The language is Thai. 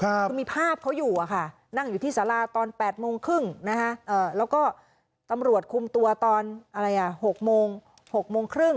คือมีภาพเขาอยู่นั่งอยู่ที่สาราตอน๘โมงครึ่งแล้วก็ตำรวจคุมตัวตอน๖โมง๖โมงครึ่ง